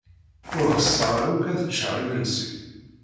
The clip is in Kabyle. Ur ɣseɣ ara akk ad ččeɣ imensi.